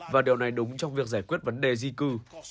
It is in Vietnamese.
và điều này đúng trong việc giải quyết vấn đề di cư